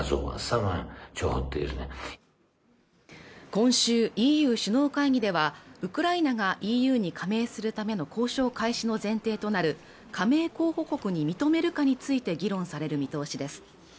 今週ＥＵ首脳会議ではウクライナがＥＵに加盟するための交渉開始の前提となる加盟候補国に認めるかについて議論される見通しです